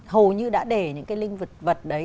hầu như đã để những cái linh vật đấy